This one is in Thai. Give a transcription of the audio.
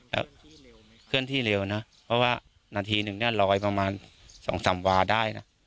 แล้วเคลื่อนที่เร็วนะเพราะว่านาทีหนึ่งเนี่ยลอยประมาณ๒๓วาได้นะ